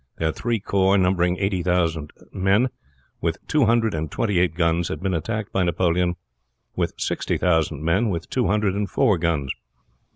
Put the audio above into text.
Their three corps, numbering eighty thousand men, with two hundred and twenty four guns, had been attacked by Napoleon with sixty thousand men, with two hundred and four guns.